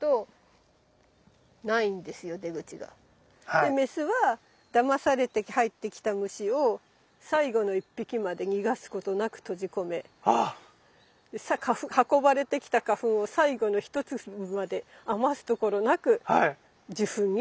で雌はダマされて入ってきた虫を最後の一匹まで逃がすことなく閉じ込め運ばれてきた花粉を最後の一粒まで余すところなく受粉に利用する。